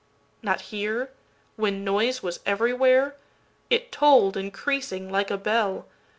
Not hear? when noise was everywhere! it toll'dIncreasing like a bell.